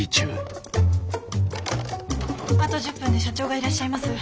あと１０分で社長がいらっしゃいます。